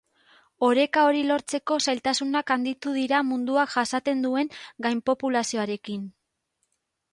Oreka hori lortzeko zailtasunak handitu dira munduak jasaten duen gainpopulazioarekin.